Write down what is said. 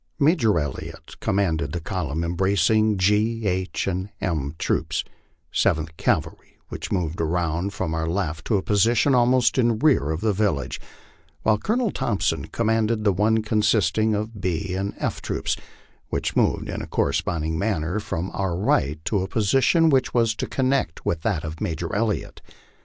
Major Elliot commanded the column embracing G, H, and M troops, Seventh Cavalry, which moved around from our left to a position almost in rear of the village; while Colonel Thompson commanded the one consisting of B and F troops, which moved in a corresponding manner from our right to a position which was to connect with that of Major Elliot.